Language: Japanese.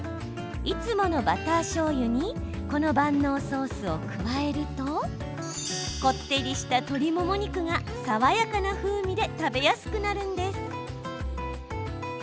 いつものバターしょうゆにこの万能ソースを加えるとこってりした鶏もも肉が爽やかな風味で食べやすくなるんです。